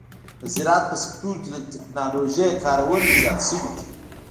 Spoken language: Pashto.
د زراعت په سکتور کې د ټکنالوژۍ کارول زیات شوي دي.